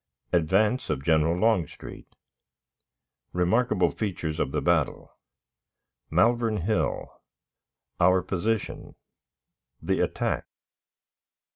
Advance of General Longstreet. Remarkable Features of the Battle. Malvern Hill. Our Position. The Attack.